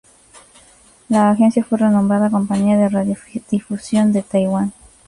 La agencia fue renombrada Compañía de radiodifusión de Taiwán.